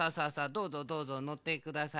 どうぞどうぞのってください。